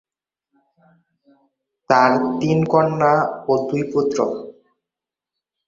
তার তিন কন্যা ও দুই পুত্র।